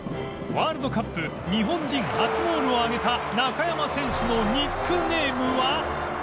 ワールドカップ日本人初ゴールをあげた中山選手のニックネームは